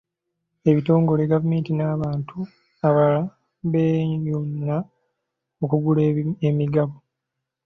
Ebitongole, Gavumenti n'abantu abalala beeyuna okugula emigabo.